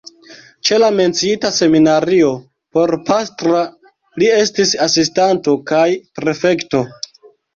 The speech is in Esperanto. Ĉe la menciita seminario porpastra li estis asistanto kaj prefekto.